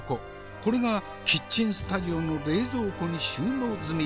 これがキッチンスタジオの冷蔵庫に収納済みである。